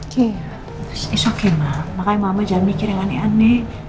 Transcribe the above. terus it's okay ma makanya mama jangan mikir yang aneh aneh